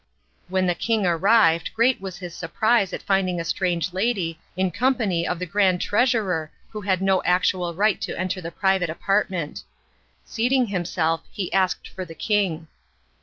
When the king arrived great was his surprise at finding a strange lady in company of the grand treasurer who had no actual right to enter the private apartment. Seating himself he asked for the king.